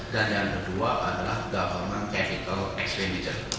dan yang kedua adalah pengembangan pengembangan kapital pemerintah